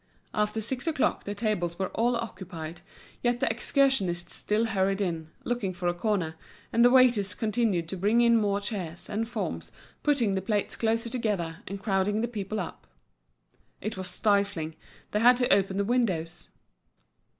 After six o'clock the tables were all occupied, yet the excursionists still hurried in, looking for a corner; and the waiters continued to bring in more chairs and forms, putting the plates closer together, and crowding the people up. It was stifling, they had to open the windows.